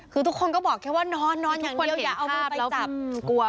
คือทุกคนก็บอกว่านอนอย่าเอาโม้ไปจับ